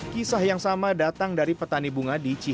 kisah yang sama datang dari petani bunga di cikarang